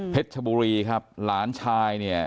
ชบุรีครับหลานชายเนี่ย